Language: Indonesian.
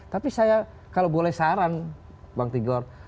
tapi saya kalau boleh saran bang tigor